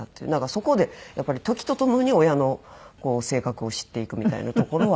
そこでやっぱり時とともに親の性格を知っていくみたいなところは。